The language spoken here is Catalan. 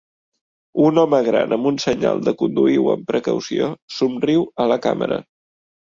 Un home gran amb un senyal de "conduïu amb precaució" somriu a la càmera.